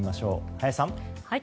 林さん。